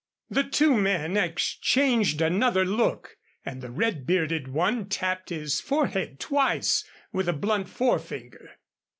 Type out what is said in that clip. The two men exchanged another look, and the red bearded one tapped his forehead twice with a blunt forefinger.